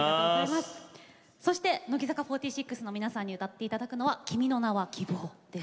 そして乃木坂４６の皆さんに歌って頂くのは「君の名は希望」です。